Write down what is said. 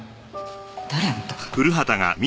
誰？あんた。